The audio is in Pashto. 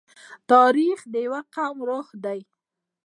تاریخ د یوه قوم روح دی.